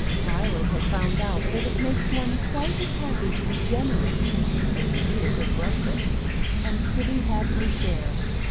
Violet had found out that it makes one quite as happy to be generous as to eat a good breakfast, and kitty had her share.